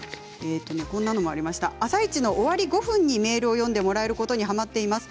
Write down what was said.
「あさイチ」の終わり５分にメールを読んでもらえることにはまっています。